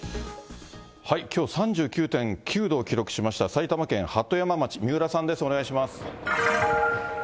きょう３９．９度を記録しました、埼玉県鳩山町、三浦さんです、お願いします。